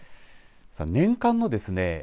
年間のですね